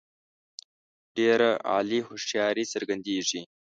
ډېره عالي هوښیاري څرګندیږي.